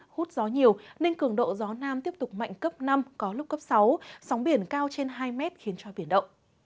hút gió nhiều nên cường độ gió nam tiếp tục mạnh cấp năm có lúc cấp sáu sóng biển cao trên hai mét khiến cho biển động